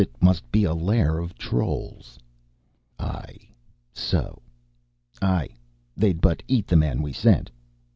It must be a lair of trolls." "Aye, so ... aye, they'd but eat the man we sent